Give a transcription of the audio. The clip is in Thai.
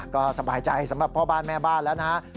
ก็สบายใจสำหรับพ่อบ้านแม่บ้านแล้วนะครับ